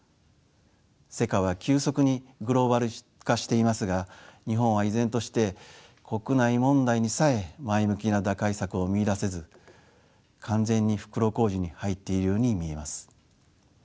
世界は急速にグローバル化していますが日本は依然として国内問題にさえ前向きな打開策を見いだせず完全に袋小路に入っているように見えます。